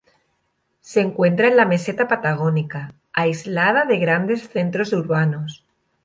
Se encuentra en la meseta patagónica, aislada de grandes centros urbanos.